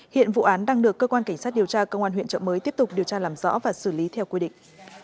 hiện vụ án đang được cơ quan cảnh sát điều tra công an huyện trợ mới tiếp tục điều tra làm rõ và xử lý theo quy định